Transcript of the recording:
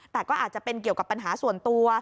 แต่ก็อาจจะเป็นเกี่ยวกับปัญหาส่วนตัว